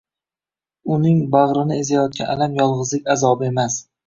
Uning bag‘rini ezayotgan alam yolg‘izlik azobi emas